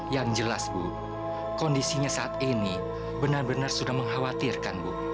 yang jelas bu kondisinya saat ini benar benar sudah mengkhawatirkan bu